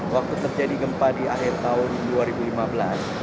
waktu terjadi gempa di akhir tahun dua ribu lima belas